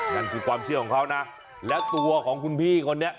นั่นคือความเชื่อของเขานะแล้วตัวของคุณพี่คนนี้